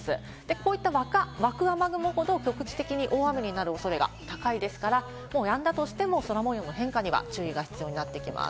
こういった湧く雨雲ほど、局地的に大雨になる恐れが高いですから、やんだとしても空模様の変化には注意が必要になってきます。